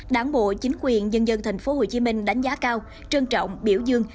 đảng bộ chính quyền dân dân tp hcm đánh giá cao trân trọng biểu dương